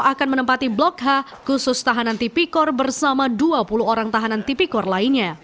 akan menempati blok h khusus tahanan tipikor bersama dua puluh orang tahanan tipikor lainnya